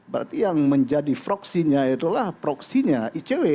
berarti yang menjadi proksinya itulah proksinya icw